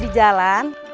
tidak ada apa apa